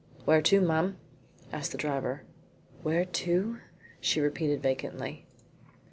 "Where to, ma'am?" asked the driver. "Where to?" she repeated vacantly.